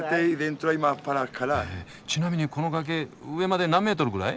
へえちなみにこの崖上まで何メートルぐらい？